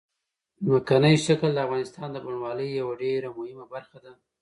ځمکنی شکل د افغانستان د بڼوالۍ یوه ډېره مهمه برخه ده.